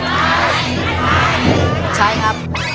ใช้ใช้ใช้